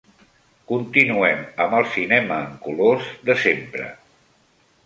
Continuem amb el cinema en colors de sempre.